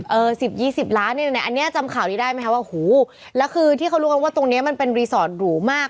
สิบยี่สิบล้านเนี่ยอันนี้จำข่าวนี้ได้ไหมคะว่าหูแล้วคือที่เขารู้กันว่าตรงเนี้ยมันเป็นรีสอร์ทหรูมาก